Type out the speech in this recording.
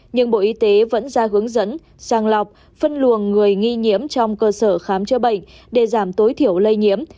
nhưng bộ y tế vẫn ra hướng dẫn sang lọc phân luồng người nghi nhiễm trong cơ sở khám chữa bệnh để giảm tối thiểu lây nhiễm